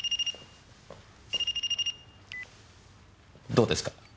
どうですか？